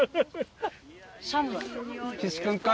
岸君か？